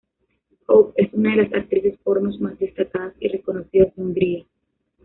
Hope es una de las actrices porno más destacadas y reconocidas de Hungría.